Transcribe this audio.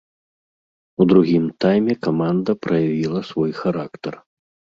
У другім тайме каманда праявіла свой характар.